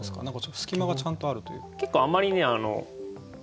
隙間がちゃんとあるというか。